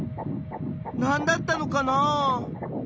何だったのかなあ？